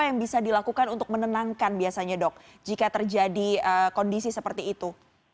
apa yang bisa dilakukan untuk menenangkan biasanya dok jika terjadi kondisi seperti itu